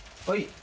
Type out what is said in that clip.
はい。